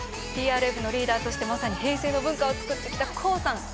ＴＲＦのリーダーとしてまさに平成の文化を作ってきたＫＯＯさん。